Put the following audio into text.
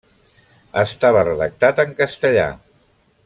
Estava redactat en castellà.